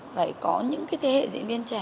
vậy có những cái thế hệ diễn viên trẻ